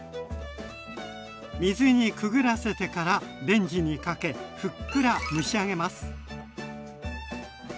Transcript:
水にくぐらせてからレンジにかけふっくら蒸し上げます。